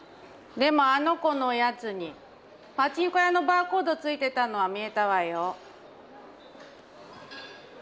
でもあの子のおやつにパチンコ屋のバーコードついてたのは見えたわよ。